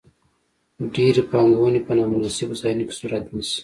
ډېرې پانګونې په نا مناسبو ځایونو کې صورت نیسي.